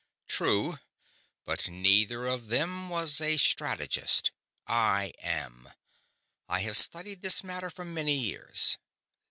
"True, but neither of them was a strategist. I am; I have studied this matter for many years.